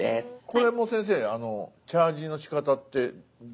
これも先生チャージのしかたってどうなんですか？